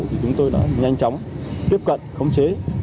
thì chúng tôi đã nhanh chóng tiếp cận khống chế